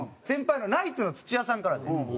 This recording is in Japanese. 先輩のナイツの土屋さんからで。